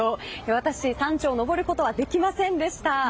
私、山頂を登ることはできませんでした。